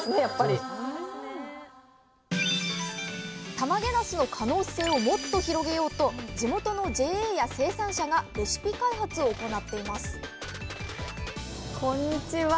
たまげなすの可能性をもっと広げようと地元のＪＡや生産者がレシピ開発を行っていますこんにちは！